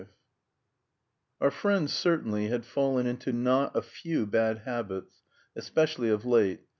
V Our friend certainly had fallen into not a few bad habits, especially of late.